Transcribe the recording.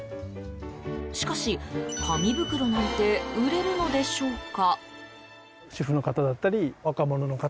しかし、紙袋なんて売れるのでしょうか？